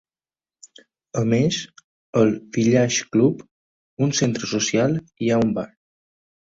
A més, al Village Club, un centre social, hi ha un bar.